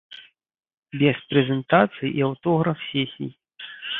Без прэзентацый і аўтограф-сесій.